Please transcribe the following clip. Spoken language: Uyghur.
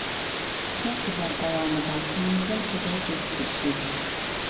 ئۇزاق يىللار داۋامىدا «كوممۇنىزم تۇغى» گېزىتىدە ئىشلىدى.